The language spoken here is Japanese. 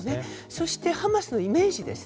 そして、ハマスのイメージです。